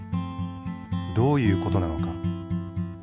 どういう事なのか？